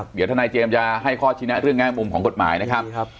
เดี๋ยวทนายเจมส์จะให้ข้อชี้แนะเรื่องแง่มุมของกฎหมายนะครับ